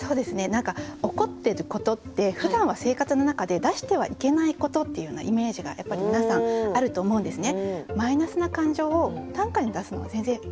何か怒ってることってふだんは生活の中で出してはいけないことっていうようなイメージがやっぱり皆さんあると思うんですね。